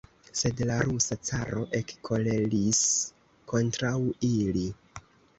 Sed la rusa caro ekkoleris kontraŭ ili.